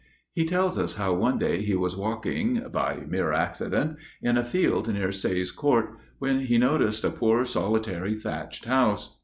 He tells us how one day he was walking, 'by mere accident,' in a field near Sayes Court, when he noticed a 'poore solitary thatched house.